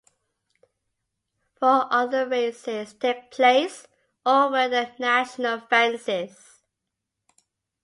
Four other races take place over the National fences.